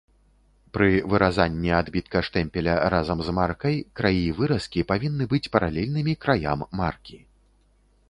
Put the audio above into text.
Пры выразанні адбітка штэмпеля разам з маркай краі выразкі павінны быць паралельнымі краям маркі.